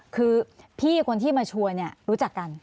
คือพี่คนที่มาชวนรู้จักกัน